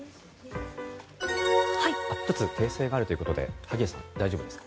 １つ訂正があるということで萩谷さん、大丈夫ですか。